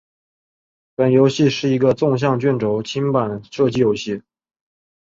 本游戏是一个纵向卷轴清版射击游戏。